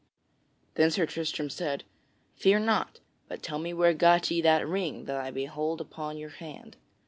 Then Sir Tristram said: "Fear not, but tell me where got ye that ring that I behold upon your hand?"